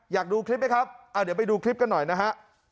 อยากดูคลิปไหมครับเดี๋ยวไปดูคลิปกันหน่อยนะฮะ